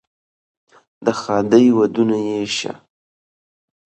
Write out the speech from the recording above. د ښادۍ ودونه یې شه،